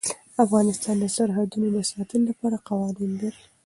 افغانستان د سرحدونه د ساتنې لپاره قوانین لري.